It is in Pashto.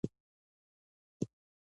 د هلمند په واشیر کې د فلورایټ نښې شته.